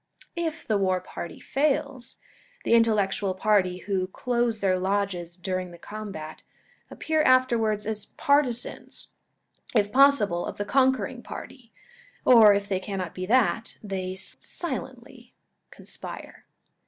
If the war party fails, the intellectual party, who close their lodges during the combat, appear afterwards as partisans, if possible, of the conquering party, or if they cannot be that, they silently conspire.